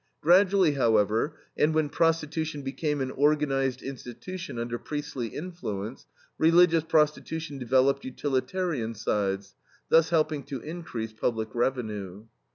Gradually, however, and when prostitution became an organized institution under priestly influence, religious prostitution developed utilitarian sides, thus helping to increase public revenue.